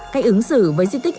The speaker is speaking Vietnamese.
cách ứng xử với di tích